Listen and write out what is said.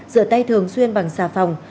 giữa tay thường xuyên bằng xà phòng